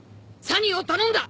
サニーを頼んだ！